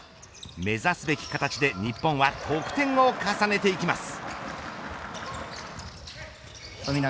目指すべき形で日本は得点を重ねていきます。